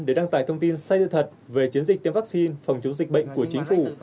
để đăng tải thông tin sai sự thật về chiến dịch tiêm vaccine phòng chống dịch bệnh của chính phủ